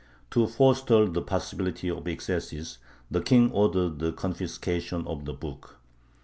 To forestall the possibility of excesses the King ordered the confiscation of the book.